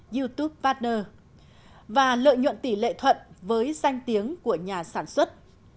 youtube patner và lợi nhuận tỷ lệ thuận với danh tiếng của nhà sản xuất